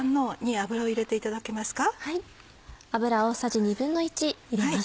油大さじ１／２入れます。